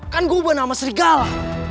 kan gua ubah nama serigala